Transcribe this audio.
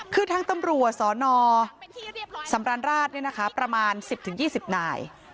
คือทางตำรวจสนสำราญราชประมาณ๑๐๒๐นาย